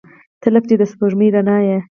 • ته لکه د سپوږمۍ رڼا یې.